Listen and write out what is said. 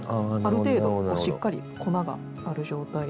ある程度しっかり粉がある状態で。